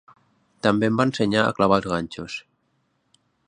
També em va ensenyar a clavar els ganxos.